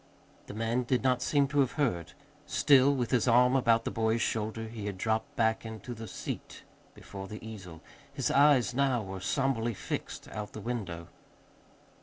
The man did not seem to have heard. Still with his arm about the boy's shoulder, he had dropped back into the seat before the easel. His eyes now were somberly fixed out the window.